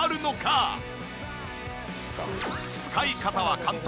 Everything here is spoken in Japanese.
使い方は簡単。